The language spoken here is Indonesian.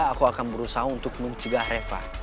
aku akan berusaha untuk mencegah reva